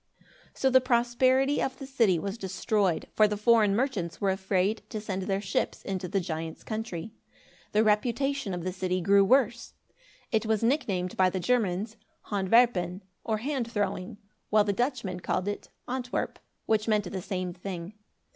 So the prosperity of the city was destroyed, for the foreign merchants were afraid to send their ships into the giant's country. The reputation of the city grew worse. It was nicknamed by the Germans Hand Werpen, or Hand Throwing; while the Dutchmen called it Antwerp, which meant the same thing.